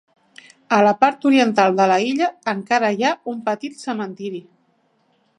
A la part oriental de la illa encara hi ha un petit cementiri.